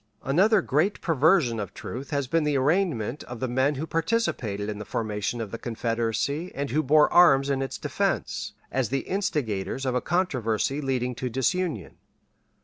Another great perversion of truth has been the arraignment of the men who participated in the formation of the Confederacy and who bore arms in its defense, as the instigators of a controversy leading to disunion.